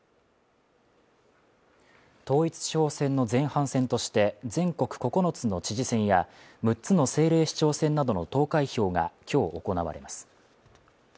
統一地方選の前半戦として全国９つの知事選や６つの政令市長選などの投開票が今日行われます。